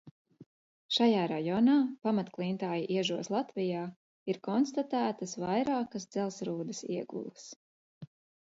Šajā rajonā pamatklintāja iežos Latvijā ir konstatētas vairākas dzelzsrūdas iegulas.